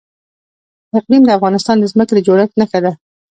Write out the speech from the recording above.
اقلیم د افغانستان د ځمکې د جوړښت نښه ده.